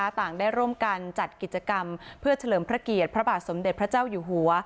ต่างได้ร่วมกันจัดกิจกรรมเพื่อเฉลิมพระเกียรติพระบาทสมเด็จพระเจ้าอยู่หัว